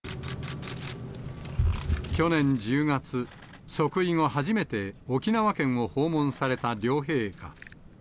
去年１０月、即位後初めて沖縄県を訪問された両陛下。